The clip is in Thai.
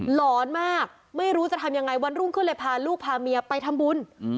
หลอนมากไม่รู้จะทำยังไงวันรุ่งขึ้นเลยพาลูกพาเมียไปทำบุญ